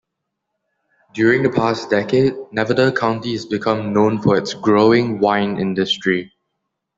During the past decade, Nevada County has become known for its growing wine industry.